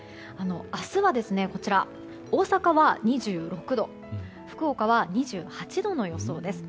明日は、大阪は２６度福岡は２８度の予想です。